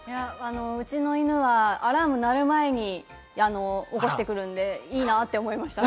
うちの犬はアラーム鳴る前に起こしてくるんで、いいなって思いました。